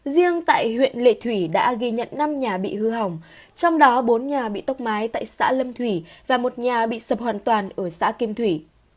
riêng tại huyện lệ thủy đã ghi nhận năm nhà bị hư hỏng trong đó bốn nhà bị tốc mái tại xã lâm thủy và một nhà bị sập hoàn toàn ở xã kim thủy